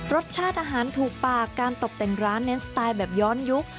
รสชาติอาหารถูกปากการตกแต่งร้านเน้นสไตล์แบบย้อนยุค